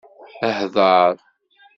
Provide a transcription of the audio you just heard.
Hḍeṛ.